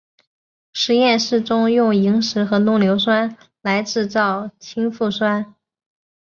实验室中用萤石和浓硫酸来制造氢氟酸。